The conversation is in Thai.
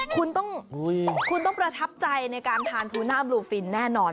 คุณต้องคุณต้องประทับใจในการทานทูน่าบลูฟินแน่นอน